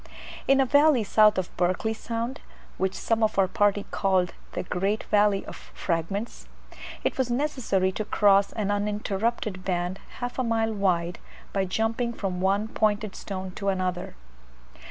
In a valley south of Berkeley Sound, which some of our party called the "great valley of fragments," it was necessary to cross an uninterrupted band half a mile wide, by jumping from one pointed stone to another.